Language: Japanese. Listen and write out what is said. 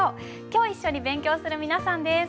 今日一緒に勉強する皆さんです。